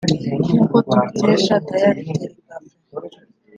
nk’uko tubikesha dailytelegraph